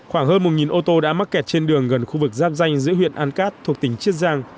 khoảng hơn một ô tô đã mắc kẹt trên đường gần khu vực giáp danh giữa huyện an cát thuộc tỉnh chiết giang